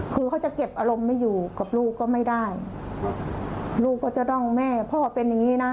คือเขาจะเก็บอารมณ์ไม่อยู่กับลูกก็ไม่ได้ลูกก็จะต้องแม่พ่อเป็นอย่างงี้นะ